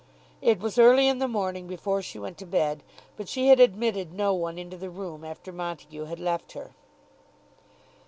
It was early in the morning before she went to bed but she had admitted no one into the room after Montague had left her.